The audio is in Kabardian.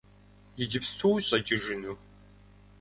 Иджыпсту ущӏэкӏыжыну?